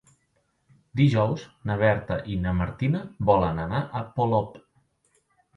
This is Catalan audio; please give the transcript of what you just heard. Dijous na Berta i na Martina volen anar a Polop.